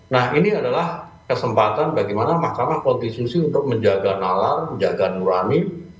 nah ini adalah kesempatan bagaimana mahkamah konstitusi untuk menjaga nalar menjaga nurani